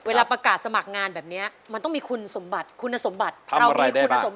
เวลาประกาศสมัครงานแบบเนี้ยมันต้องมีคุณสมบัติคุณสมบัติทำอะไรได้บ้าง